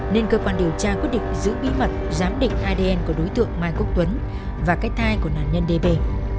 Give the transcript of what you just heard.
nên cơ quan điều tra quyết định giữ bí mật giám định idn của đối tượng mai quốc tuấn và cách thai của nạn nhân đê bê